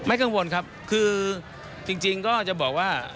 กังวลครับคือจริงก็จะบอกว่า